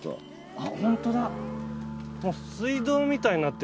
あっホントだ。